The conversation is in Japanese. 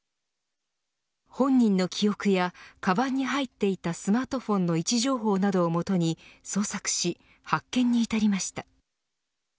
本人の記憶や、かばんに入っていたスマートフォンの位置情報などをもとに捜索し発見に至りました。